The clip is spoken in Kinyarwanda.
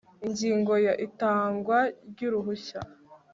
ingingo ya itangwa ry uruhushya